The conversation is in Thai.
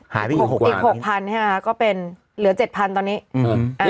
หกพันอีกหกพันใช่ไหมคะก็เป็นเหลือเจ็ดพันตอนนี้อืมอ่า